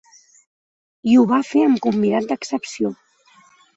I ho va fer amb convidat d’excepció.